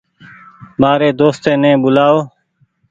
مآريِ دوستي ني ٻولآئو۔